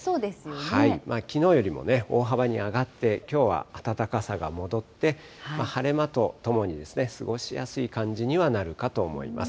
きのうよりも大幅に上がって、きょうは暖かさが戻って、晴れ間とともに過ごしやすい感じにはなるかと思います。